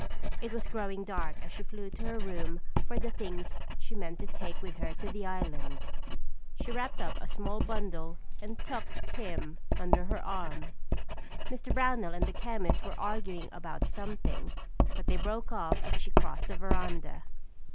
It was growing dark as she flew to her room for the things she meant to take with her to the island. She wrapped up a small bundle and tucked "Kim" under her arm. Mr. Brownell and the chemist were arguing about something but they broke off as she crossed the veranda.